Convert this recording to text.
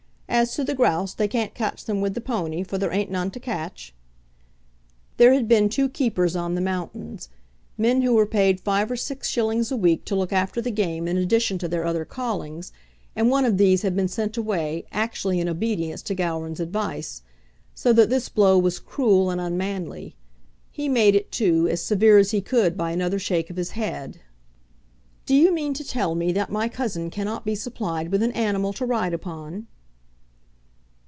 As to the grouse, they can't cotch them with the pownie, for there ain't none to cotch." There had been two keepers on the mountains, men who were paid five or six shillings a week to look after the game in addition to their other callings, and one of these had been sent away, actually in obedience to Gowran's advice; so that this blow was cruel and unmanly. He made it, too, as severe as he could by another shake of his head. "Do you mean to tell me that my cousin cannot be supplied with an animal to ride upon?"